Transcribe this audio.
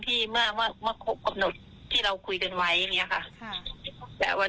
เมื่อเมื่อครบกำหนดที่เราคุยกันไว้อย่างนี้ค่ะแต่วัน